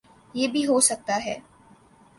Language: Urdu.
یہ بھی ہوسکتا ہے